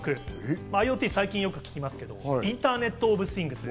ＩｏＴって最近よく聞きますけど、インターネット・オブ・シングス。